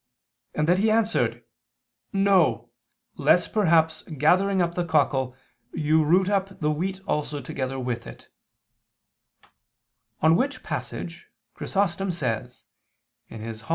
and that he answered: "No, lest perhaps gathering up the cockle, you root up the wheat also together with it": on which passage Chrysostom says (Hom.